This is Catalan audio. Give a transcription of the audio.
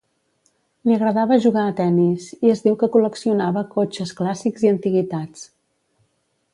Li agradava jugar a tennis i es diu que col·leccionava cotxes clàssics i antiguitats.